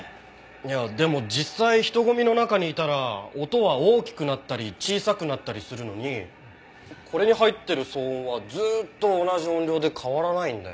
いやでも実際人混みの中にいたら音は大きくなったり小さくなったりするのにこれに入ってる騒音はずっと同じ音量で変わらないんだよ。